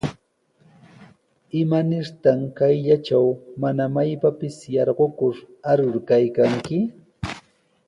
¿Imanirtaq kayllatraw mana maypapis yarqukur arur kaykanki?